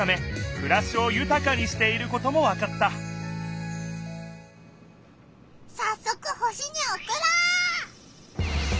くらしをゆたかにしていることもわかったさっそく星におくろう！